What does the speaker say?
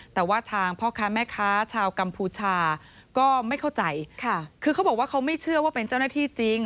แต่ว่าทางพ่อค้าแม่ค้าชาวกัมพูชาก็ไม่เข้าใจค่ะคือเขาบอกว่าเขาไม่เชื่อว่าเป็นเจ้าหน้าที่จริง